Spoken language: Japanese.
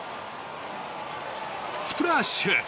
スプラッシュ！